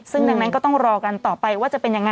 ซึ่งดังนั้นก็ต้องรอกันต่อไปว่าจะเป็นยังไง